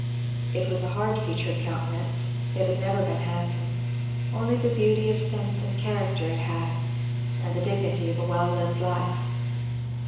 It was a hard featured countenance; it had never been handsome; only the beauty of sense and character it had, and the dignity of a well lived life.